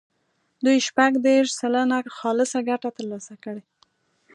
دوی شپږ دېرش سلنه خالصه ګټه ترلاسه کړي.